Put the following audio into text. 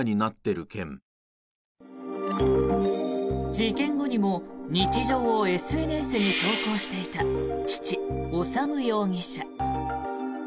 事件後にも日常をＳＮＳに投稿していた父・修容疑者。